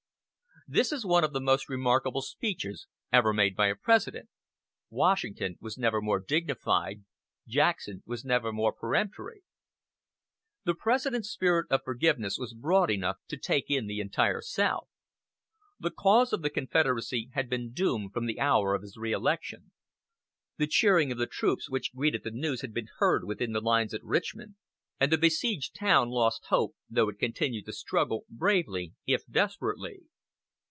This is one of the most remarkable speeches ever made by a President. Washington was never more dignified; Jackson was never more peremptory. The President's spirit of forgiveness was broad enough to take in the entire South. The cause of the Confederacy had been doomed from the hour of his reelection. The cheering of the troops which greeted the news had been heard within the lines at Richmond, and the besieged town lost hope, though it continued the struggle bravely if desperately.